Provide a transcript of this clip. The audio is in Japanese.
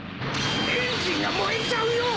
・エンジンが燃えちゃうよ！